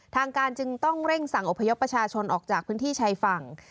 ทางการจึงต้องเร่งสั่งอพยพประชาชนออกจากพื้นที่ชายฝั่ง